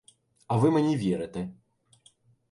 А ви мені вірите.